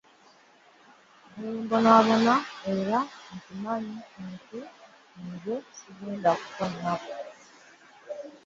Nebwembonabona era nkimanyi nti nze sigenda kufa nnaku.